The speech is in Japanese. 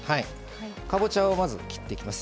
かぼちゃを切っていきます。